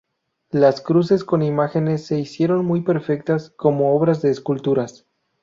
Las cruces con imágenes se hicieron muy perfectas, como obras de esculturas.